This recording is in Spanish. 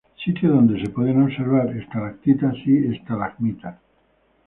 Sitio donde se pueden observar estalactitas y estalagmitas.